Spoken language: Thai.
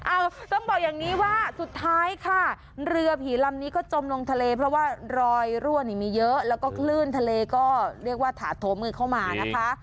ต้องบอกอย่างนี้ว่าสุดท้ายค่ะเรือผีลำนี้ก็จมลงทะเลเพราะว่ารอยรั่วนี่มีเยอะแล้วก็คลื่นทะเลก็เรียกว่าถาโถมมือเข้ามานะคะ